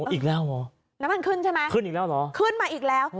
อีกแล้วเหรอน้ำมันขึ้นใช่ไหมขึ้นอีกแล้วเหรอขึ้นมาอีกแล้ว